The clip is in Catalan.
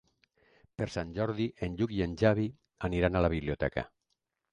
Per Sant Jordi en Lluc i en Xavi aniran a la biblioteca.